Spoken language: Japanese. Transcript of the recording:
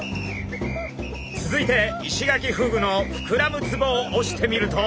続いてイシガキフグの膨らむツボをおしてみると。